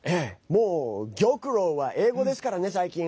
もう玉露は英語ですからね、最近。